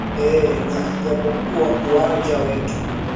ee na ijapokuwa uwanja wetu